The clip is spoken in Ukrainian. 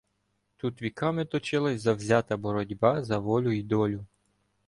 Тут віками точилася завзята боротьба за волю й долю.